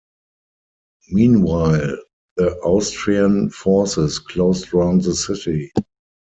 Meanwhile, the Austrian forces closed round the city.